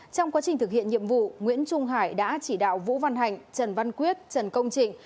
trong quá trình thực hiện nhiệm vụ nguyễn trung hải đã chỉ đạo vũ văn hạnh trần văn quyết trần công trịnh